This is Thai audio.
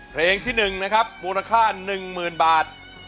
เพลงที่๑นะครับมูลค่า๑๐๐๐บาท